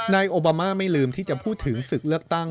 นายโอบามาไม่ลืมที่จะพูดถึงศึกเลือกตั้ง